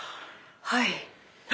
はい。